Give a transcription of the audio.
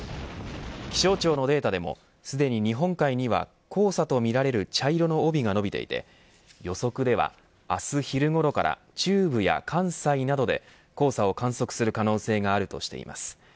気象庁のデータでもすでに日本海には黄砂とみられる茶色の帯がのびていて予測では明日昼ごろから中部や関西などで黄砂を観測する可能性があるとしています。